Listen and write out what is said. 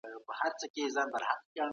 زده کوونکي څنګه د دلیل بنسټ پېژني؟